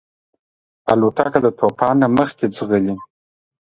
الوتکه د طوفان نه مخکې ځغلي.